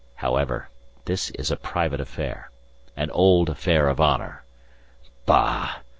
"However, this is a private affair. An old affair of honour. Bah!